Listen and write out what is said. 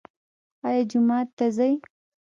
ایا جومات ته ځئ؟